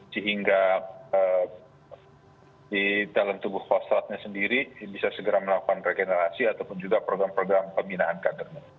sehingga di dalam tubuh kostratnya sendiri bisa segera melakukan regenerasi ataupun juga program program pembinaan kadernya